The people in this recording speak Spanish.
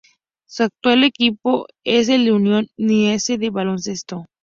Su actual equipo es el Union Linense de Baloncesto.